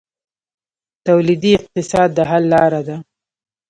تولیدي اقتصاد د حل لاره ده